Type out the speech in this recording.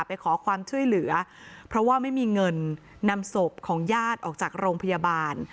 ไปขอความช่วยเหลือเพราะว่าไม่มีเงินนำศพของญาติออกจากโรงพยาบาล